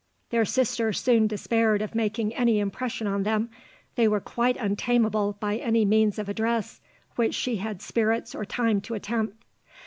Their sister soon despaired of making any impression on them; they were quite untamable by any means of address which she had spirits or time to attempt....